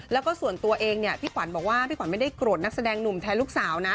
แล้วก็ส่วนตัวเองเนี่ยพี่ขวัญบอกว่าพี่ขวัญไม่ได้โกรธนักแสดงหนุ่มแทนลูกสาวนะ